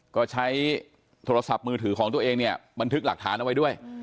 ก็ใช้โทรศัพท์มือถือของตัวเองเนี่ยบันทึกหลักฐานเอาไว้ด้วย